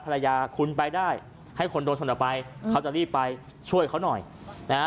ภรรยาคุณไปได้ให้คนโดนชนออกไปเขาจะรีบไปช่วยเขาหน่อยนะฮะ